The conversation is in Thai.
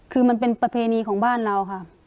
คือมันเป็นประเพณีของบ้านเราค่ะ